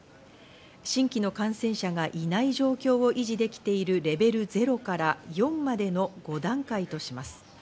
新規の感染者がいない状況を維持できているレベル０から４までの５段階とします。